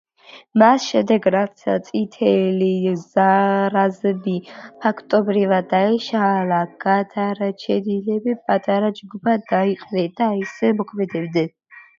მას შემდეგ, რაც წითელი რაზმი ფაქტობრივად დაიშალა, გადარჩენილები პატარა ჯგუფებად დაიყვნენ და ისე მოქმედებდნენ.